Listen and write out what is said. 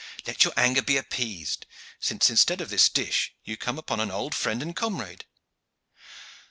"Let your anger be appeased, since instead of this dish you come upon an old friend and comrade."